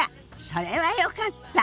それはよかった。